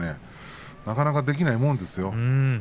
なかなかできないもんですよ。